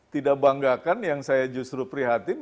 tidak banggakan yang saya justru prihatin